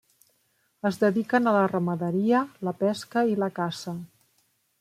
Es dediquen a la ramaderia, la pesca i la caça.